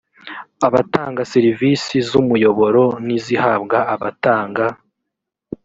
abatanga serivisi z umuyoboro n izihabwa abatanga